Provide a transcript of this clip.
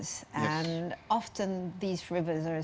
sungai ini adalah sumber pengaruh